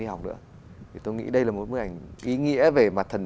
ít người để ý đến